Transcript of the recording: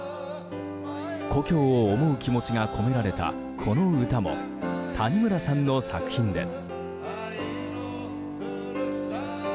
故郷を思う気持ちが込められたこの歌も、谷村さんの作品です。